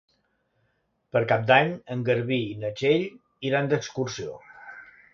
Per Cap d'Any en Garbí i na Txell iran d'excursió.